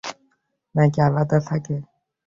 নাকি আলাদা থাকে?